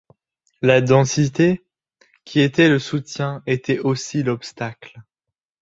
La densité, qui était le soutien, était aussi l’obstacle.